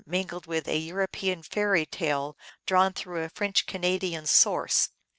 mingled with, a European fairy tale drawn through a French Canadian source.